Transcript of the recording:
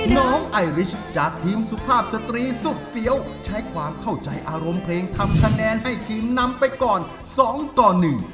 น้องไอริชจากทีมสุภาพสตรีสุดเฟี้ยวใช้ความเข้าใจอารมณ์เพลงทำคะแนนให้ทีมนำไปก่อนสองต่อหนึ่ง